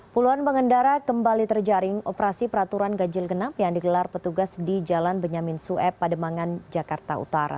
puluhan pengendara kembali terjaring operasi peraturan ganjil genap yang digelar petugas di jalan benyamin sueb pademangan jakarta utara